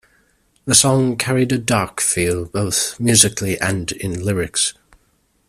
The song carried a dark feel, both musically, and in lyrics.